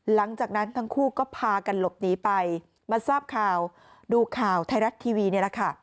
หลังจากนั้นทั้งคู่ก็พากันหลบหนีไปมาทราบข่าวดูข่าวไทยรัฐทีวีนี่แหละค่ะ